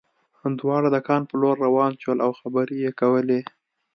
دواړه د کان په لور روان شول او خبرې یې کولې